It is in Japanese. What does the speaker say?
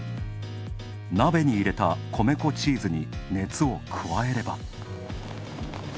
鍋に入れた米粉チーズに熱を加えれば。